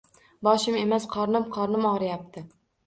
Boshim emas, qornim, qornim og‘riyapti